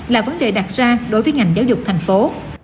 là vấn đề đặt ra đối với ngành giáo dục thành phố